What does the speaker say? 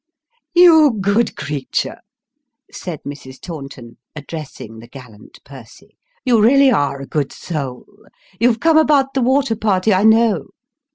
" You good creature !" said Mrs. Taunton, addressing the gallant Percy. " You really are a good soul ! You've come about the water party, I know."